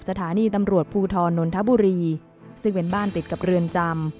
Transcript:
สถานีตำรวจภูทรนนทบุรีซึ่งเป็นบ้านติดกับเรือนจำ